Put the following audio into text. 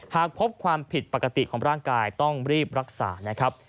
หากพบความผิดปกติของร่างกายต้องรีบรักษานะครับ